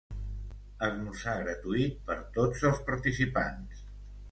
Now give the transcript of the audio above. Esmorzar gratuït per tots els participants.